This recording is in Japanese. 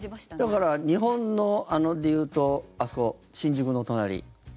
だから日本で言うとあそこ、新宿の隣。